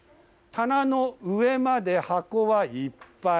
棚の上まで箱はいっぱい。